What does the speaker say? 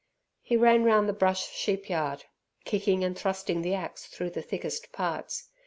He ran round the brush sheepyard, kicking and thrusting the axe through the thickest parts.